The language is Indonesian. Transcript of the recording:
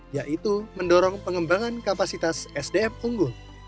yaitu mendorong pengembangan kapasitas sdm unggul